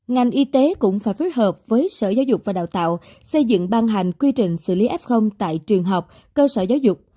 ngành y tế cũng phải phối hợp với sở giáo dục và đào tạo xây dựng ban hành quy trình xử lý f tại trường học cơ sở giáo dục